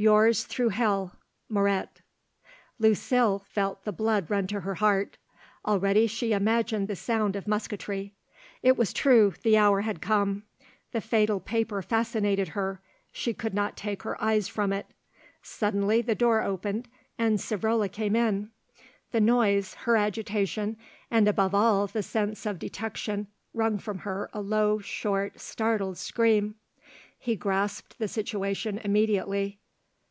Yours through hell_, MORET. Lucile felt the blood run to her heart; already she imagined the sound of musketry. It was true the hour had come. The fatal paper fascinated her; she could not take her eyes from it. Suddenly the door opened and Savrola came in. The noise, her agitation, and above all the sense of detection wrung from her a low, short, startled scream. He grasped the situation immediately.